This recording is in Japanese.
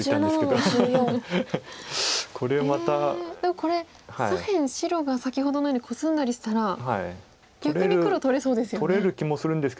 でもこれ左辺白が先ほどのようにコスんだりしたら逆に黒取れそうですよね。